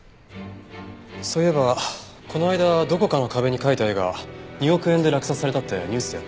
そういえばこの間どこかの壁に描いた絵が２億円で落札されたってニュースでやってましたね。